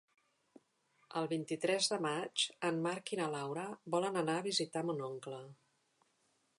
El vint-i-tres de maig en Marc i na Laura volen anar a visitar mon oncle.